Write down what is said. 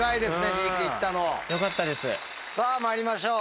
さぁまいりましょう。